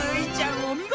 おみごと。